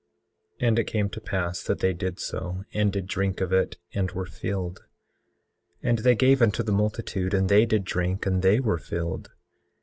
18:9 And it came to pass that they did so, and did drink of it and were filled; and they gave unto the multitude, and they did drink, and they were filled.